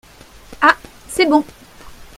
Ah, c'est bon !